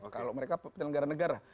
kalau mereka penyelenggara negara